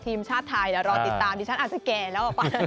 ทีมชาติไทยแล้วรอติดตามดิฉันอาจจะแก่แล้ว